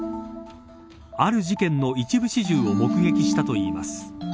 ある事件の一部始終を目撃したといいます。